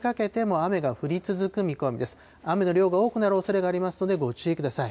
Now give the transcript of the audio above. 雨の量が多くなるおそれがありますので、ご注意ください。